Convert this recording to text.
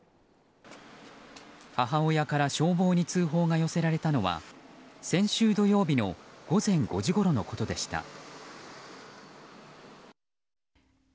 母親から消防に通報が寄せられたのは先週土曜日の午前５時ごろのことでした。